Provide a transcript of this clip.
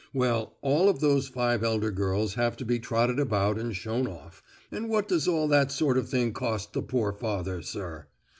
Well, all those five elder girls have to be trotted about and shown off, and what does all that sort of thing cost the poor father, sir?